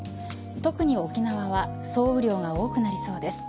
特に沖縄は総雨量が多くなりそうです。